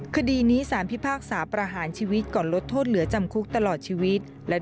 คดีนี้สารพิพากษาประหารชีวิตก่อนลดโทษเหลือจำคุกตลอดชีวิต